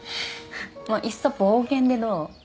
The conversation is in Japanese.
もういっそ冒険でどう？